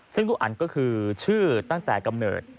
ซึ่งทุกอันก็คือชื่อตั้งแต่กำเนิด